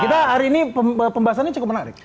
kita hari ini pembahasannya cukup menarik